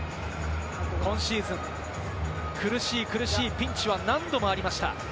今シーズン、苦しい苦しいピンチは何度もありました。